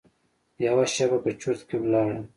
یوه شېبه په چرت کې لاړم.